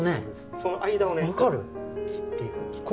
その間をね切っていく分かる？